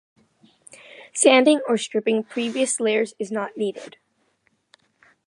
Sanding or stripping previous layers is not needed.